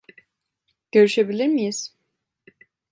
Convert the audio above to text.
Görüşebilir miyiz?